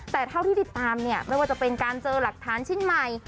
แต่เท่าที่ติดตามเนี่ยไม่ว่าจะเป็นการเจอหลักฐานชิ้นใหม่